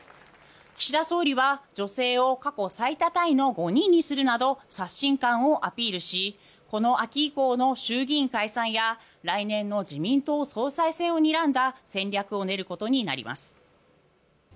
岸田総理は女性を過去最多タイの５人にするなど刷新感をアピールしこの秋以降の衆議院解散や来年の自民党総裁選をにらんだ戦略を練ることになります。